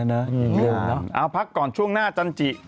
เอาพักก่อนช่วงหน้าจันจิ